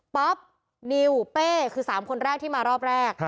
ป๊อปนิวเป้คือ๓คนแรกที่มารอบแรก